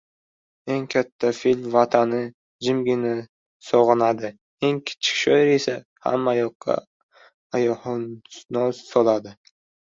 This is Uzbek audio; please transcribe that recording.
— Eng katta fil vatanini jimgina sog‘inadi, eng kichik shoir esa hammayoqqa ayuhannos soladi.